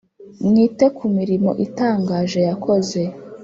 Mwite ku mirimo itangaje yakoze